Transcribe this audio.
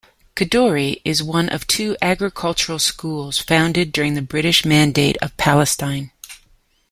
Kadoorie is one of two agricultural schools founded during the British Mandate of Palestine.